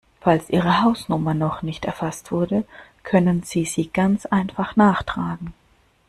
Falls Ihre Hausnummer noch nicht erfasst wurde, können Sie sie ganz einfach nachtragen.